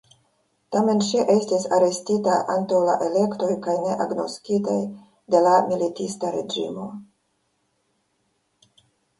Tamen ŝi estis arestita antaŭ la elektoj kaj ne agnoskitaj de la militista reĝimo.